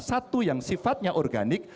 satu yang sifatnya organik